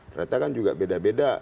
kereta kan juga beda beda